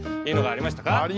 ありました。